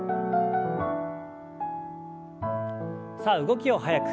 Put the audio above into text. さあ動きを速く。